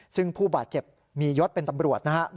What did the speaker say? ซึ่งผู้บาดเจ็บมียศเป็นตำรวจนะครับ